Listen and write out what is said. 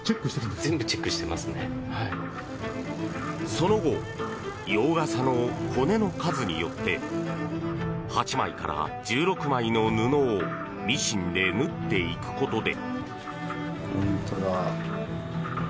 その後、洋傘の骨の数によって８枚から１６枚の布をミシンで縫っていくことで。